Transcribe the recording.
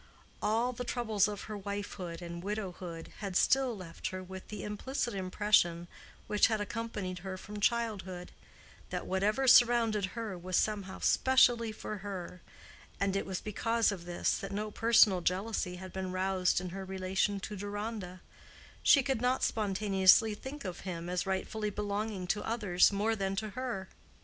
All the troubles of her wifehood and widowhood had still left her with the implicit impression which had accompanied her from childhood, that whatever surrounded her was somehow specially for her, and it was because of this that no personal jealousy had been roused in her relation to Deronda: she could not spontaneously think of him as rightfully belonging to others more than to her.